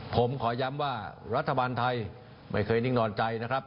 ผมขอย้ำว่ารัฐบาลไทยไม่เคยนิ่งนอนใจนะครับ